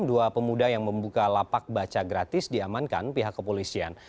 dua pemuda yang membuka lapak baca gratis diamankan pihak kepolisian